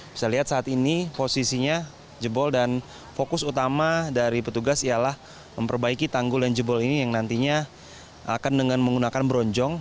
bisa lihat saat ini posisinya jebol dan fokus utama dari petugas ialah memperbaiki tanggul dan jebol ini yang nantinya akan dengan menggunakan bronjong